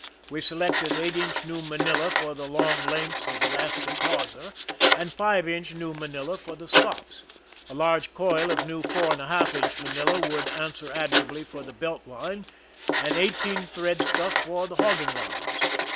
We selected eight inch new Manila for the long lengths of elas tic hawser, and five inch new Manila for the stops ; a large coil of new four and a half inch Manila would ans^'^er admirably for the belt line, and eigh teen thread stuff for the hogging lines.